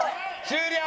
終了！